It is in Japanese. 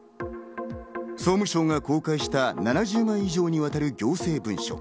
総務省が公開した７０枚以上にわたる行政文書。